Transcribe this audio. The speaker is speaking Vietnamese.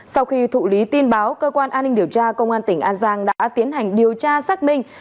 sau khi thụ lý tin báo cơ quan an ninh điều tra công an tỉnh an giang đã tiến hành điều tra xác minh